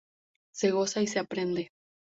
Se goza y se aprende.